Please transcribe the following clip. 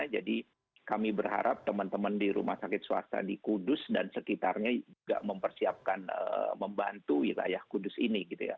jadi kami berharap teman teman di rumah sakit swasta di kudus dan sekitarnya juga mempersiapkan membantu wilayah kudus ini